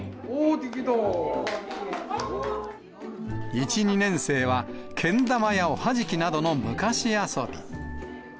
１、２年生は、けん玉やおはじきなどの昔遊び。